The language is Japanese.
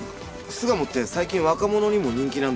巣鴨って最近若者にも人気なんですよ。